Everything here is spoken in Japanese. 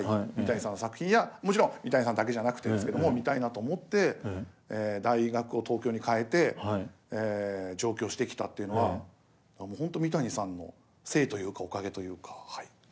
三谷さんの作品やもちろん三谷さんだけじゃなくてですけども見たいなと思って大学を東京に変えて上京してきたっていうのは本当三谷さんのせいというかおかげというかはい。